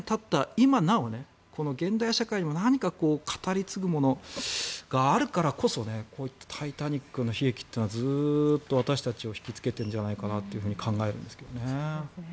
今なおこの現代社会にも何か語り継ぐものがあるからこそこういった「タイタニック」の悲劇というのはずっと私たちを引きつけているんじゃないかなと考えるんですけどね。